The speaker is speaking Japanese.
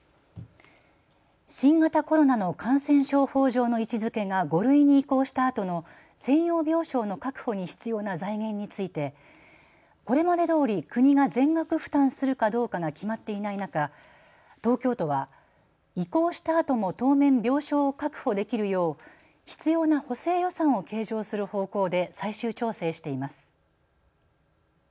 新型コロナの感染症法上の位置づけが５類に移行したあとの専用病床の確保に必要な財源についてこれまでどおり国が全額負担するかどうかが決まっていない中、東京都は移行したあとも当面、病床を確保できるよう必要な補正予算を計上する方向で最終調整しています。